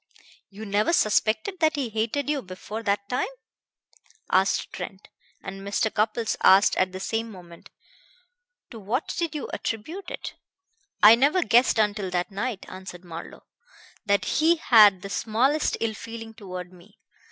"You never suspected that he hated you before that time?" asked Trent, and Mr. Cupples asked at the same moment: "To what did you attribute it?" "I never guessed until that night," answered Marlowe, "that he had the smallest ill feeling toward me.